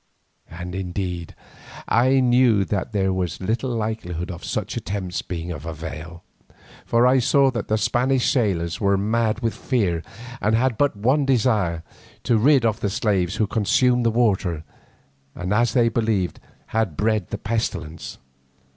And, indeed, I knew that there was little likelihood of such attempts being of avail, for I saw that the Spanish sailors were mad with fear and had but one desire, to be rid of the slaves who consumed the water, and as they believed, had bred the pestilence.